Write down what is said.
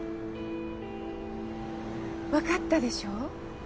分かったでしょ。